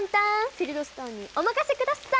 フィルドストンにお任せください！